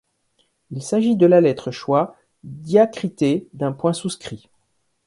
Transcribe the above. Il s’agit de la lettre schwa diacritée d’un point souscrit.